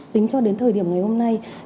tính cho đến thời điểm ngày hôm nay